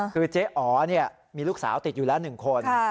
คือเจ๊อ๋อมีลูกสาวติดอยู่แล้ว๑คน